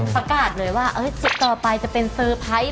ประกาศเลยว่าจุดต่อไปจะเป็นเซอร์ไพรส์